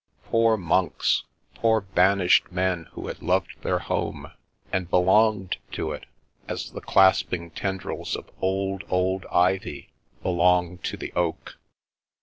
Poor monks — ^poor banished men who had loved their home, and belonged to it, as the clasping tendrils of old, old ivy belong to the oak.